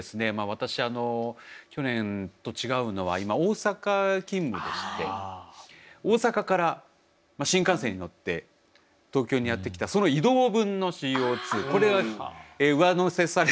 私去年と違うのは今大阪勤務でして大阪から新幹線に乗って東京にやって来たその移動分のＣＯこれが上乗せされて１トンを超えてしまったと。